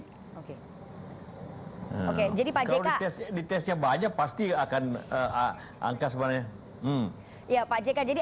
hai oke jadi pakai tesnya banyak pasti akan angka sebenarnya ya pak jekat jadi